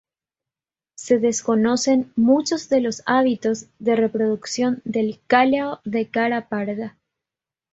Se desconocen muchos de los hábitos de reproducción del cálao de cara parda.